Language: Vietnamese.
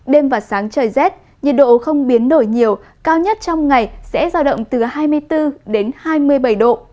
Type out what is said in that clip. đêm và sáng trời rét nhiệt độ không biến đổi nhiều cao nhất trong ngày sẽ giao động từ hai mươi bốn đến hai mươi bảy độ